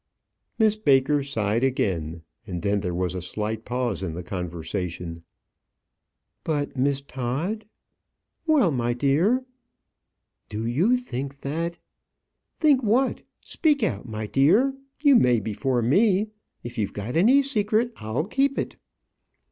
Miss Baker sighed again, and then there was a slight pause in the conversation. "But, Miss Todd " "Well, my dear!" "Do you think that " "Think what? Speak out, my dear; you may before me. If you've got any secret, I'll keep it."